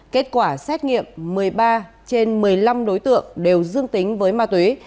kết quả xét nghiệm một mươi ba trên một mươi năm đối tượng đều dương tính với ma túy